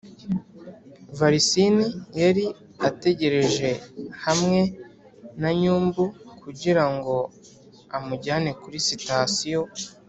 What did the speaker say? valsin yari ategereje hamwe na -nyumbu kugirango amujyane kuri sitasiyo.